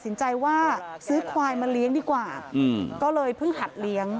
สินใจว่าซื้อควายมาเลี้ยงดีกว่าก็เลยเพิ่งหัดเลี้ยง